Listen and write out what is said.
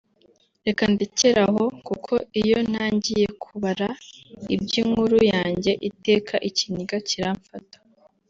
Reka ndekere aho kuko iyo ntangiye kubara iby’inkuru yanjye iteka ikiniga kiramfata